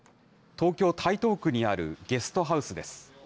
東京・台東区にあるゲストハウスです。